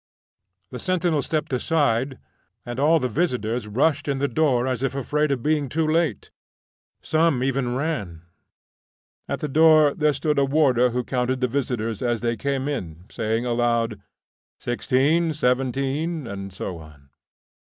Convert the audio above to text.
The sentinel stepped aside, and all the visitors rushed to the door as if afraid of being too late; some even ran. At the door there stood a warder who counted the visitors as they came in, saying aloud, 16, 17, and so on.